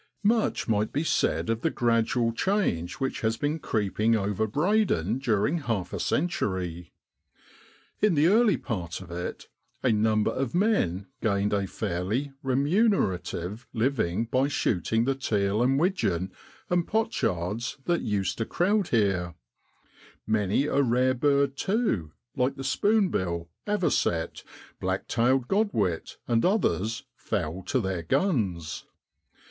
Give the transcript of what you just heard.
Much might be said of the gradual change which has been creeping over Breydon during half a century. In the early part of it a number of men gained a fairly remunerative living by shooting the teal and widgeon and pochards that OCTOBER IN BROADLAND. 113 used to crowd here; many a rare bird, too, like the spoonbill, avocet, black tailed godwit, and others fell to their guns.